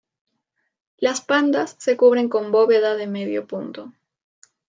Las pandas se cubren con bóveda de medio punto.